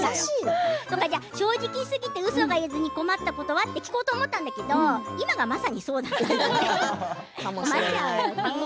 正直すぎて、うそが言えなくて困ったことは？って聞こうと思ったんだけれども今がまさにそうだね。